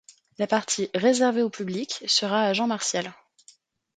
La partie réservée au public sera à Jean-Martial.